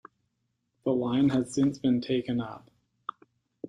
The line has since been taken up.